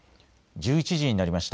１１時になりました。